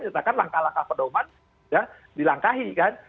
langkah langkah pendoman ya dilangkahi kan